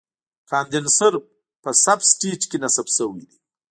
کاندنسر په سب سټیج کې نصب شوی دی.